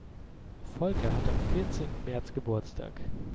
Volker hat am vierzehnten März Geburtstag.